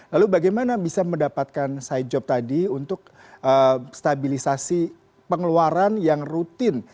lalu bagaimana bisa mendapatkan side job tadi untuk stabilisasi pengeluaran yang rutin